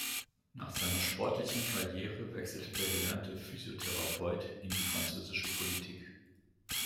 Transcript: Nach seiner sportlichen Karriere wechselte der gelernte Physiotherapeut in die französische Politik.